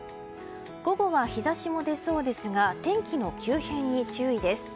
午後は日差しも出そうですが天気の急変に注意です。